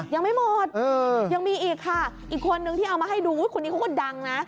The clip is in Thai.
ยังไม่หมดยังมีอีกค่ะอีกคนนึงที่เอามาให้ดูคนนี้เขาก็ดังนะ